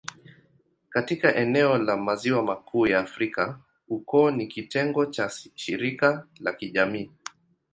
Katika eneo la Maziwa Makuu ya Afrika, ukoo ni kitengo cha shirika la kijamii.